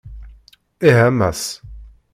Ih, a Mass!